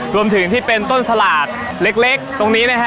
ที่เป็นต้นสลากเล็กตรงนี้นะฮะ